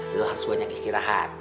lo harus banyak istirahat